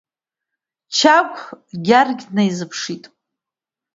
Чагә Гьаргь днаизыԥшит.